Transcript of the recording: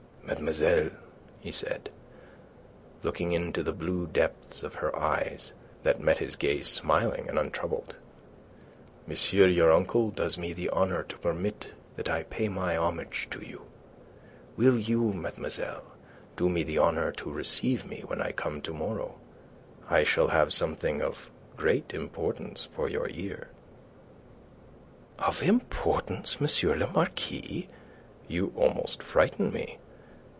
"Mademoiselle," he said, looking into the blue depths of her eyes, that met his gaze smiling and untroubled, "monsieur your uncle does me the honour to permit that I pay my homage to you. Will you, mademoiselle, do me the honour to receive me when I come to morrow? I shall have something of great importance for your ear." "Of importance, M. le Marquis? You almost frighten me."